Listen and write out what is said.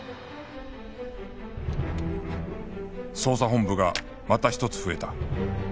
捜査本部がまた一つ増えた